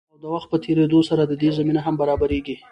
او د وخت په تېريدو سره د دې زمينه هم برابريږي.